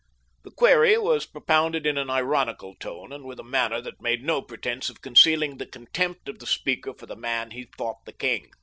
The query was propounded in an ironical tone, and with a manner that made no pretense of concealing the contempt of the speaker for the man he thought the king.